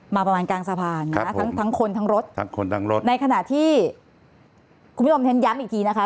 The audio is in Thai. มาประมาณกลางสะพานทั้งคนทั้งรถในขณะที่คุณผู้ชมแทนย้ำอีกทีนะคะ